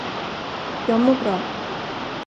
Jag mår bra.